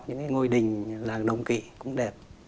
những cái ngôi đình làng nông kỵ cũng đẹp